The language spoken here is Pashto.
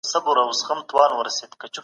د خرقې دام